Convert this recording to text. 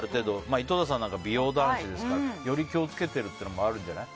井戸田さんなんか美容男子ですからより気を付けてるっていうのもあるんじゃない？